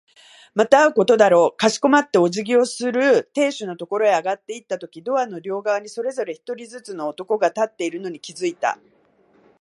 また会うことだろう。かしこまってお辞儀をする亭主のところへ上がっていったとき、ドアの両側にそれぞれ一人ずつの男が立っているのに気づいた。